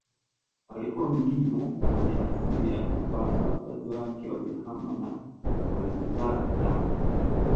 Alikuwa mdigo mwenye asili ya Mombasa wazazi wake walihama na walimzaa Tanga